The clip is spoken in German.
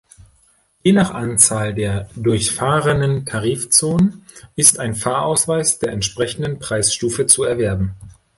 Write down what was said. Je nach Anzahl der durchfahrenen Tarifzonen ist ein Fahrausweis der entsprechenden Preisstufe zu erwerben.